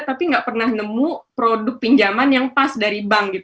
tapi nggak pernah nemu produk pinjaman yang pas dari bank